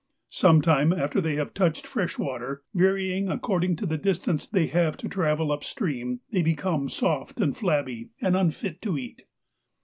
Some time after they have touched fresh water, varying according to the distance they have to travel up stream, they become soft and flabby, and unfit to eat.